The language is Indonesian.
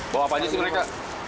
bawa apa aja sih mereka